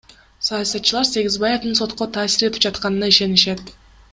Саясатчылар Сегизбаевдин сотко таасир этип жатканына ишенишет.